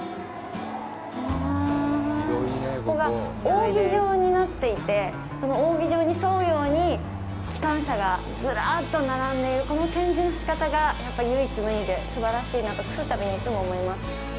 わあ、ここが扇状になっていてその扇状に沿うように機関車がずらっと並んでいるこの展示の仕方が唯一無二ですばらしいなと、来るたびに思います。